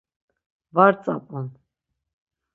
Var tzap̌un.